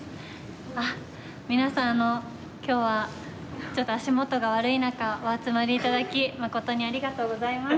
あっ皆さん今日はちょっと足元が悪い中お集まり頂き誠にありがとうございます。